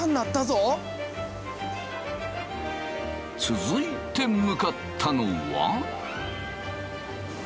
続いて向かったのは。